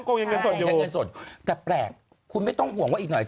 ห้องโกงยังเงินสดอยู่แต่แปลกคุณไม่ต้องห่วงว่าอีกหน่อย